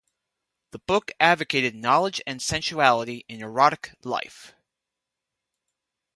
The book advocated knowledge and sensuality in erotic life.